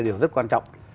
điều rất quan trọng